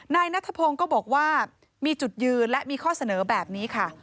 นายนัทพงศ์ก็บอกว่ามีจุดยืนและมีข้อเสนอแบบนี้ค่ะ